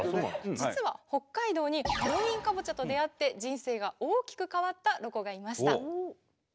実は北海道にハロウィーンかぼちゃと出会って人生が大きく変わったロコがいました。